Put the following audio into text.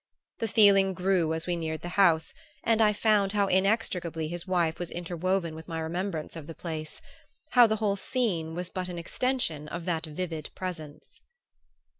The feeling grew as we neared the house and I found how inextricably his wife was interwoven with my remembrance of the place: how the whole scene was but an extension of that vivid presence.